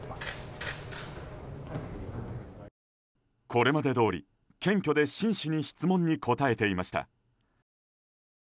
これまでどおり謙虚で真摯に質問に答えていました。